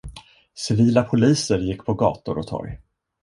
Civila poliser gick på gator och torg.